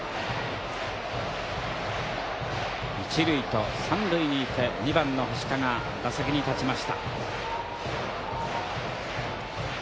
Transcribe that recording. １塁と３塁にいて２番の星加が打席に立ちました。